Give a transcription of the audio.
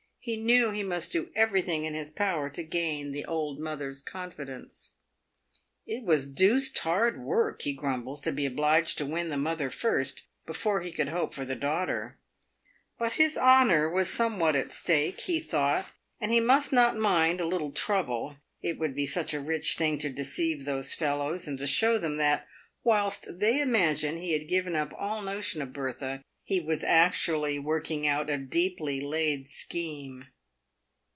He knew he must do everything in his power to gain the old mother's confidence. " It was deuced hard work," he grumbled, "to be obliged to win the mother first, before he could hope for the daughter ;" but his honour was somewhat at stake, he thought, and he must not mind a little trouble. It would be such a rich thing to deceive those fellows, and show them that, whilst they imagined he had given up all notion of Bertha, he was actually working out a deeply laid scheme.